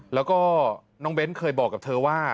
แล้วก็น้องเบ้นเคยบอกกับเธอว่า